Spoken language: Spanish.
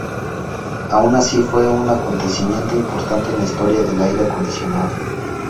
Aun así fue un acontecimiento importante en la historia del aire acondicionado.